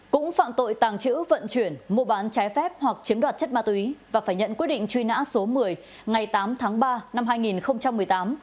cũng phạm tội tàng trữ vận chuyển mua bán trái phép hoặc chiếm đoạt chất ma túy và phải nhận quyết định truy nã số một mươi ngày tám tháng ba năm hai nghìn một mươi tám